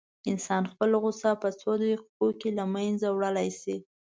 انسان خپله غوسه په څو دقيقو کې له منځه وړلی شي.